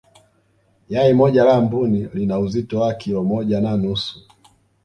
yai moja la mbuni lina uzito wa kilo moja na nusu